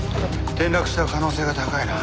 転落した可能性が高いな。